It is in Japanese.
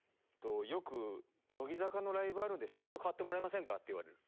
よく「乃木坂のライブあるんでシフト代わってもらえませんか」って言われる。